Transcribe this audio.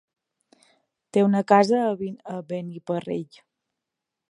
Té una casa a Beniparrell.